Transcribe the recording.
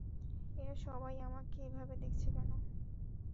এরা সবাই আমাকে এভাবে দেখছে কেন?